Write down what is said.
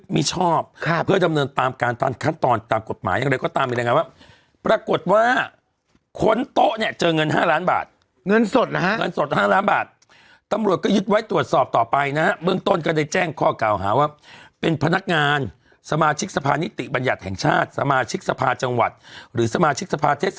ไม่ชอบเพื่อดำเนินตามการตามขั้นตอนตามกฎหมายอย่างไรก็ตามมีรายงานว่าปรากฏว่าค้นโต๊ะเนี่ยเจอเงิน๕ล้านบาทเงินสดเหรอฮะเงินสด๕ล้านบาทตำรวจก็ยึดไว้ตรวจสอบต่อไปนะฮะเบื้องต้นก็ได้แจ้งข้อกล่าวหาว่าเป็นพนักงานสมาชิกสภานิติบัญญัติแห่งชาติสมาชิกสภาจังหวัดหรือสมาชิกสภาเทศ